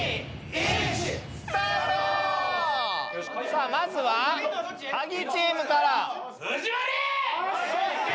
さあまずはカギチームから。